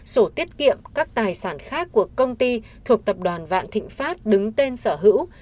sổ tiết kiệm các tài sản khác của công ty thuộc tập đoàn vạn thịnh pháp đứng tên sở hữu